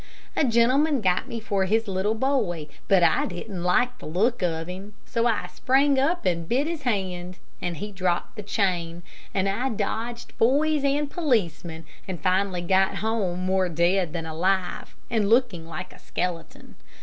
A gentleman got me for his little boy, but I didn't like the look of him, so I sprang up and bit his hand, and he dropped the chain, and I dodged boys and policemen, and finally got home more dead than alive, and looking like a skeleton.